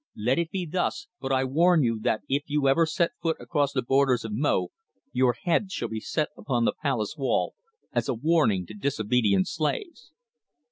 Let it be thus, but I warn you that if you ever set foot across the borders of Mo, your head shall be set upon the palace wall as a warning to disobedient slaves."